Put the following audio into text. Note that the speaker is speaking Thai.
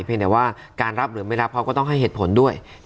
แต่ว่าการรับหรือไม่รับเขาก็ต้องให้เหตุผลด้วย